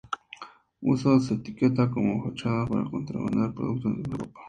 Usó su etiqueta como fachada para contrabandear productos dentro de su ropa.